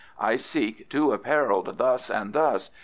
"I seek two, apparelled thus and thus.